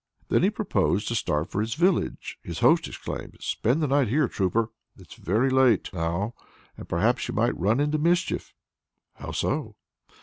When he proposed to start for his village, his host exclaimed: "Spend the night here, trooper! It's very late now, and perhaps you might run into mischief." "How so?"